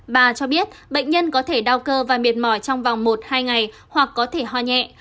bà cho biết bệnh nhân có thể đau cơ và mệt mỏi trong vòng một hai ngày hoặc có thể ho nhẹ